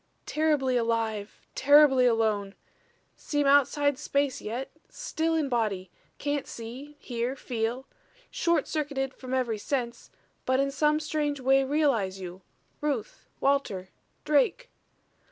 "Terribly alive, terribly alone. Seem outside space yet still in body. Can't see, hear, feel short circuited from every sense but in some strange way realize you Ruth, Walter, Drake.